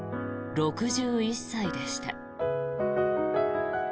６１歳でした。